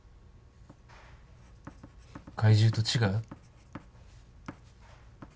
怪獣と違う？